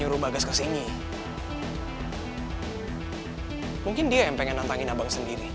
boy pasti terpancing